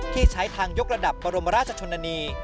ที่ใช้ทางยกระดับบรมราชชนนานี